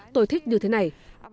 tôi thích điều thế này